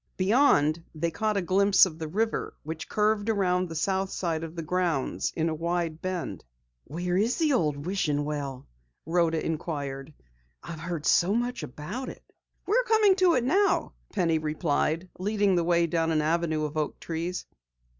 Beyond, they caught a glimpse of the river which curved around the south side of the grounds in a wide bend. "Where is the old wishing well?" Rhoda inquired. "I've heard so much about it." "We're coming to it now," Penny replied, leading the way down an avenue of oak trees.